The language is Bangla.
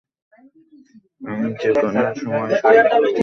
আমি যেকোন সময় সৈনিক হবো।